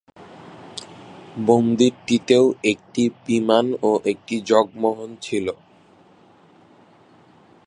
মন্দিরটিতে একটি একটি বিমান ও একটি জগমোহন ছিলো।